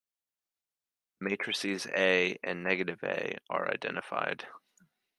The matrices "A" and "-A" are identified.